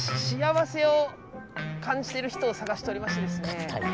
幸せを感じてる人を探しておりましてですね。